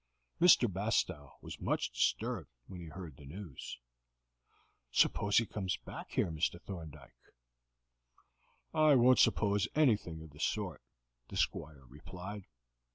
Mr. Bastow was much disturbed when he heard the news. "Suppose he comes back here, Mr. Thorndyke." "I won't suppose anything of the sort," the Squire replied.